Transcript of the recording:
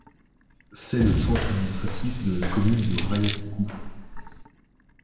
C'est le centre administratif de la commune de Raasiku.